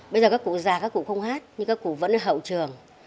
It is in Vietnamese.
bây giờ các cụ già các cụ không hát nhưng các cụ vẫn ở hậu trường